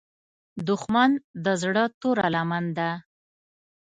دښمن د زړه توره لمن ده